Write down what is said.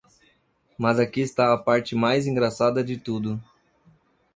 Mas aqui está a parte mais engraçada de tudo.